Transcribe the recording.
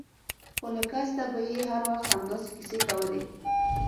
خو له کسته به يې هر وخت همداسې کيسې کولې.